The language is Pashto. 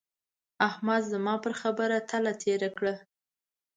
احمد زما پر خبره تله تېره کړه.